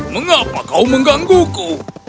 mengapa kau menggangguku